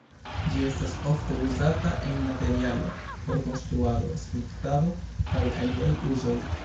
Ĝi estas ofte uzata en materialo por konstruado, skulptado, kaj aliaj uzoj.